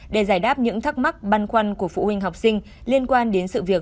để giải đáp những thắc mắc băn khoăn của phụ huynh học sinh liên quan đến sự việc